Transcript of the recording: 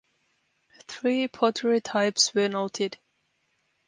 Three pottery types were noted.